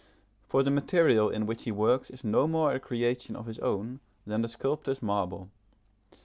For the material in which he works is no more a creation of his own than the sculptor's marble.